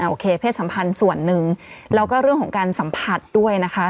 โอเคเพศสัมพันธ์ส่วนหนึ่งแล้วก็เรื่องของการสัมผัสด้วยนะคะ